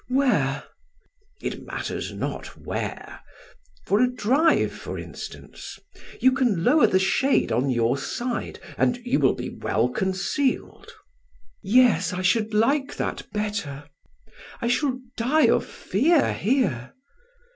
"Where?" "It matters not where; for a drive, for instance. You can lower the shade on your side and you will be well concealed." "Yes, I should like that better; I shall die of fear here."